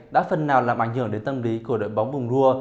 đã phần nào làm ảnh hưởng đến tâm lý của đội bóng bùng rua